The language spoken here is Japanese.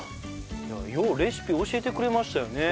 いやようレシピ教えてくれましたよね。